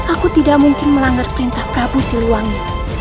aku tidak mungkin melanggar perintah prabu siliwangi